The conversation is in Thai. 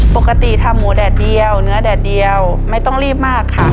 ปกติทำหมูแดดเดียวเนื้อแดดเดียวไม่ต้องรีบมากค่ะ